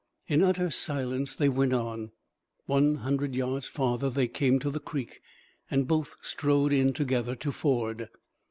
In utter silence they went on. One hundred yards farther they came to the creek, and both strode in together to ford.